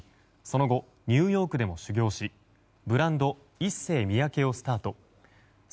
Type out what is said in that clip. その後、ニューヨークでも修業しブランドイッセイミヤケをスタート。